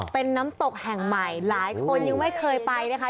เป็นน้ำตกแห่งใหม่หลายคนยังไม่เคยไปนะคะ